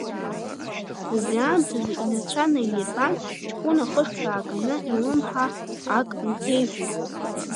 Убри аамҭазы инацәа наиирбан, ҷкәына хышк дааганы илымҳа ак нҭеиҳәеит.